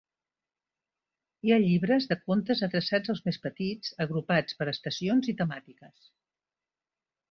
Hi ha llibres de contes adreçats als més petits agrupats per estacions i temàtiques.